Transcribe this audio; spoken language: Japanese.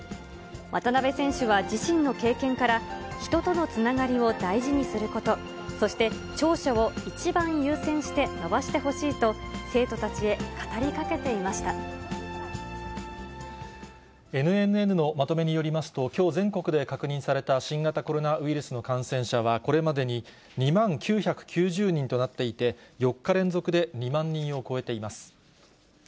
渡辺選手は自身の経験から、人とのつながりを大事にすること、そして、長所を一番優先して伸ばしてほしいと、生徒たちへ語りかＮＮＮのまとめによりますと、きょう全国で確認された新型コロナウイルスの感染者はこれまでに２万９９０人となっていて、４日連続で２万人を超えています。